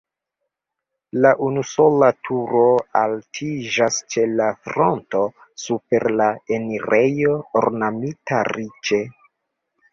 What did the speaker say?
La unusola turo altiĝas ĉe la fronto super la enirejo ornamita riĉe.